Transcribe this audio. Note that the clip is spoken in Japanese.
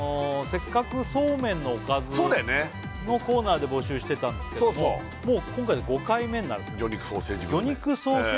せっかくそうめんのおかずそうだよね！のコーナーで募集してたんですけどもそうそうもう今回で５回目になる魚肉ソーセージグルメ